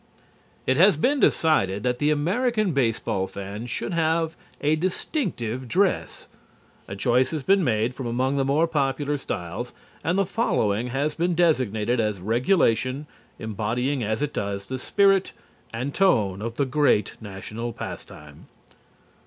It has been decided that the American baseball fan should have a distinctive dress. A choice has been made from among the more popular styles and the following has been designated as regulation, embodying, as it does, the spirit and tone of the great national pastime.